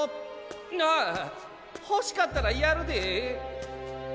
あほしかったらやるで！